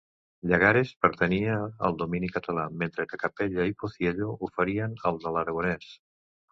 Llaguarres pertanyeria al domini català, mentre que Capella i Pociello ho farien al de l'aragonès.